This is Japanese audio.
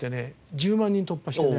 １０万人突破してね。